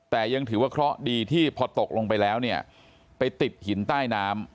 แต่ยังถือว่าเคราะห์ดีที่พอตกลงไปแล้วเนี่ยไปติดหินใต้น้ำ